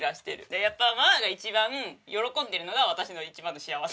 でやっぱママが一番喜んでるのが私の一番の幸せなんで。